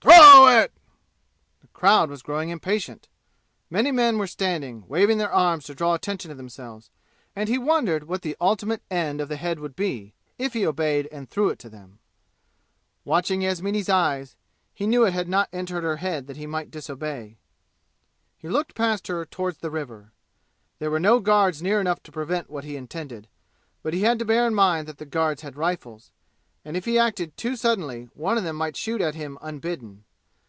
Throw it!" The crowd was growing impatient. Many men were standing, waving their arms to draw attention to themselves, and he wondered what the ultimate end of the head would be, if he obeyed and threw it to them. Watching Yasmini's eyes, he knew it had not entered her head that he might disobey. He looked past her toward the river. There were no guards near enough to prevent what he intended; but he had to bear in mind that the guards had rifles, and if he acted too suddenly one of them might shoot at him unbidden.